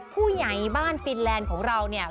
ผู้ใหญ่บ้านฟินแลนด์ของเราเนี่ย